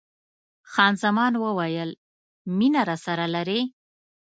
خان زمان وویل: مینه راسره لرې؟